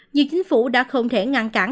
nhiều chính phủ đã không thể ngăn cản